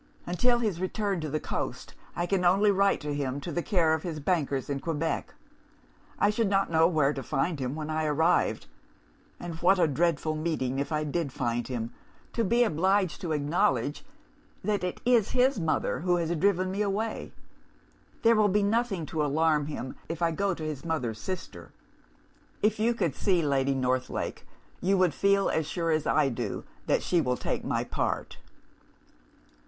Until his return to the coast, I can only write to him to the care of his bankers at Quebec. I should not know where to find him, when I arrived; and what a dreadful meeting if I did find him to be obliged to acknowledge that it is his mother who has driven me away! There will be nothing to alarm him, if I go to his mother's sister. If you could see Lady Northlake, you would feel as sure as I do that she will take my part.